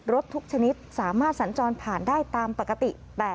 ทุกชนิดสามารถสัญจรผ่านได้ตามปกติ